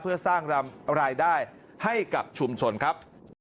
เพื่อสร้างรายได้ให้กับชุมชนครับ